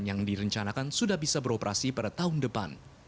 yang direncanakan sudah bisa beroperasi pada tahun depan